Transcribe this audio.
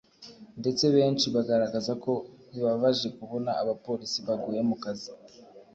ndetse benshi bagaragaza ko bibabaje kubona abapolisi baguye mu kazi